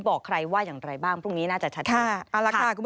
บอกใครว่าอย่างไรบ้างพรุ่งนี้น่าจะชัดมาก